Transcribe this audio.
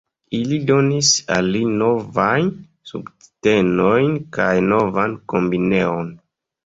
Ili donis al li novajn subvestojn kaj novan kombineon.